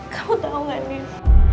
kamu tau gak nis